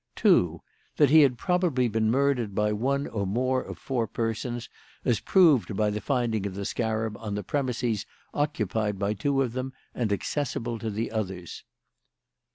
"2. That he had probably been murdered by one or more of four persons, as proved by the finding of the scarab on the premises occupied by two of them and accessible to the others.